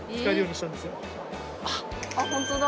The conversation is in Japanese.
あっホントだ。